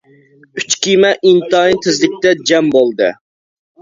ئۈچ كېمە ئىنتايىن تېزلىكتە جەم بولدى.